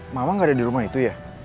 mama gak ada di rumah itu ya